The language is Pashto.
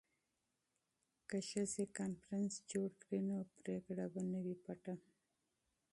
که ښځې کنفرانس جوړ کړي نو پریکړه به نه وي پټه.